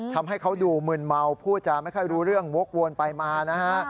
ทำให้เขาดูมึนเมาพูดจาไม่ค่อยรู้เรื่องวกวนไปมานะฮะ